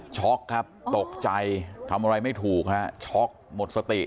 ช็อกครับตกใจทำอะไรไม่ถูกฮะช็อกหมดสติ